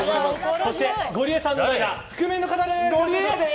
そしてゴリエさんの代打が覆面の方です！